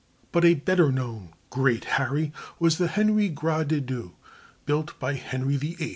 But a better known "Great Harry" was the Henri Grâce de Dieu, built by Henry VIII.